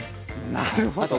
なるほど！